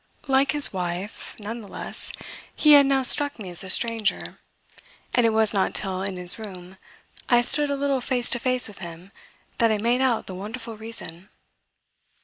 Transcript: Like his wife, none the less, he had now struck me as a stranger, and it was not till, in his room, I stood a little face to face with him that I made out the wonderful reason.